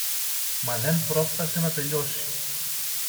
Μα δεν πρόφθασε να τελειώσει.